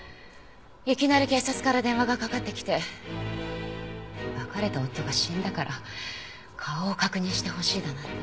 いきなり警察から電話がかかってきて別れた夫が死んだから顔を確認してほしいだなんて。